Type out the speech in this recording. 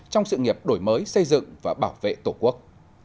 trong sự nghiệp đổi mới xây dựng và bảo vệ tổ quốc